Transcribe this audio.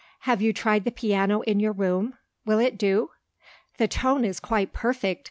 Have you tried the piano in your room? Will it do?" "The tone is quite perfect!"